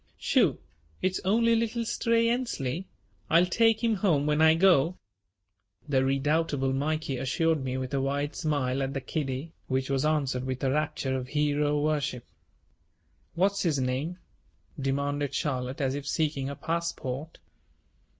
"Shoo, it's only little Stray Ensley. I'll take him home when I go," the redoubtable Mikey assured me with a wide smile at the kiddie, which was answered with a rapture of hero worship. "What's his name?" demanded Charlotte as if seeking a passport.